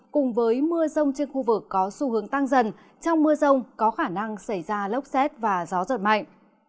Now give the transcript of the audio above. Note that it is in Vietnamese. cùng với mưa rông trên khu vực có xu hướng tăng dần trong mưa rông có khả năng xảy ra lốc xét và gió giật mạnh